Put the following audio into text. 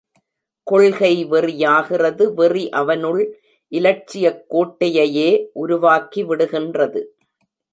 கொள்கை வெறியாகிறது வெறி அவனுள் இலட்சியக் கோட்டையையே உருவாக்கி விடுகின்றது.